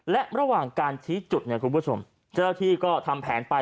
และระหว่างการชี้จุดเนี่ยคุณผู้ชมเจ้าหน้าที่ก็ทำแผนไป